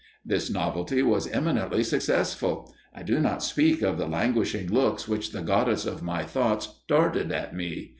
This novelty was eminently successful. I do not speak of the languishing looks which the goddess of my thoughts darted at me.